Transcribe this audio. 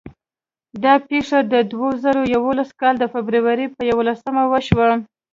دا پېښه د دوه زره یولسم کال د فبرورۍ په یوولسمه وشوه.